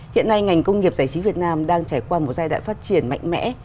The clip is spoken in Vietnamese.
hiện nay ngành công nghiệp giải trí việt nam đang trải qua một giai đoạn phát triển mạnh mẽ